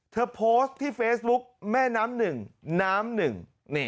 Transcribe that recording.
เธอโพสต์ที่เฟซบุ๊กแม่น้ำหนึ่งน้ำหนึ่ง